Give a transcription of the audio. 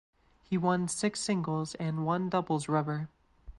He won six singles and one doubles rubber.